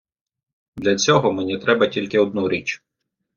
Для цього мені треба тільки одну річ.